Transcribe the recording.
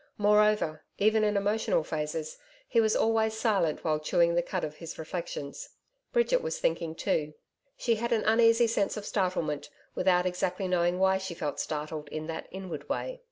Moreover, even in emotional phases, he was always silent while chewing the cud of his reflections. Bridget was thinking, too. She had an uneasy sense of startlement, without exactly knowing why she felt startled in that inward way.